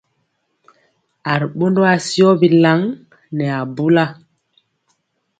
A ri ɓondɔ asiyɔ bilaŋ nɛ abula.